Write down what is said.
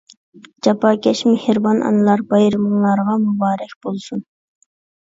جاپاكەش، مېھرىبان ئانىلار، بايرىمىڭلارغا مۇبارەك بولسۇن!